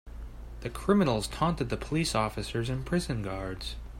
The criminals taunted the police officers and prison guards.